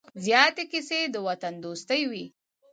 زیاتې کیسې د وطن دوستۍ وې.